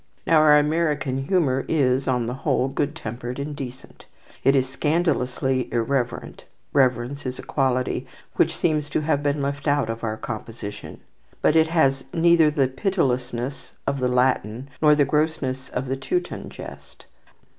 Now our American humour is, on the whole, good tempered and decent. It is scandalously irreverent (reverence is a quality which seems to have been left out of our composition); but it has neither the pitilessness of the Latin, nor the grossness of the Teuton jest.